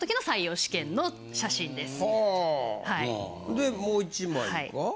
でもう１枚は？